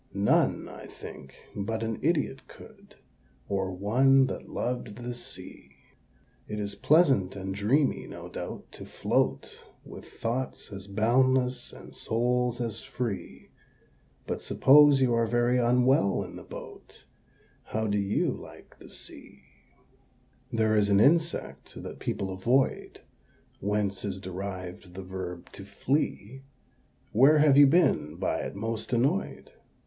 None, I think, but an idiot could Or one that loved the Sea. It is pleasant and dreamy, no doubt, to float With 'thoughts as boundless, and souls as free': But, suppose you are very unwell in the boat, How do you like the Sea? [Illustration: "AND THIS WAS BY THE SEA"] There is an insect that people avoid (Whence is derived the verb 'to flee'). Where have you been by it most annoyed?